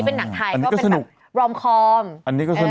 เป็นการกระตุ้นการไหลเวียนของเลือด